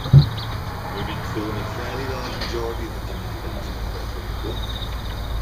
Women form a fairly large majority of the Dominicans in Puerto Rico.